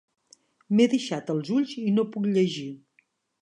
M'he deixat els ulls i no puc llegir.